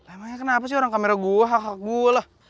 emangnya kenapa sih orang kamera gue hak hak gue lah